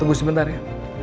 tunggu sebentar ya